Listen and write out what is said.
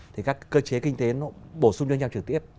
thì các cơ chế kinh tế nó bổ sung cho nhau trực tiếp